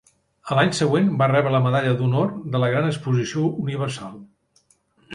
A l'any següent, va rebre la Medalla d'Honor de la gran Exposició Universal.